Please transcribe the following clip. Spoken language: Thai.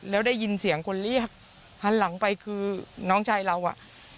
แล้วได้ยินเสียงคนเรียกหันหลังไปคือน้องชายเราอ่ะ